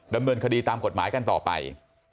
ดำเนินคดีตามกฎหมายกันต่อไป